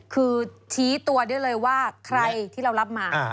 คือชี้ตัวได้เลยว่าใครที่เรารับมา